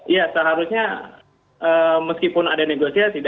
ya seharusnya meskipun ada negosiasi